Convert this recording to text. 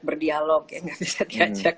berdialog ya nggak bisa diajak